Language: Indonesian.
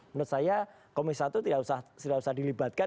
menurut saya komisi satu tidak usah dilibatkan